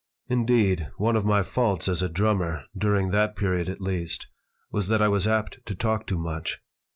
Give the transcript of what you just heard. Indeed, one of my faults as a drummer, during that period at least, was that I was apt to talk too much.